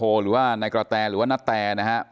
อบุริลาโภหรือว่านายกะแทรหรือว่านัตแทร์นะฮะ